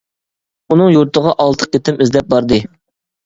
ئۇنىڭ يۇرتىغا ئالتە قېتىم ئىزدەپ باردى.